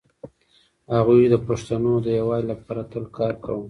هغوی د پښتنو د يووالي لپاره تل کار کاوه.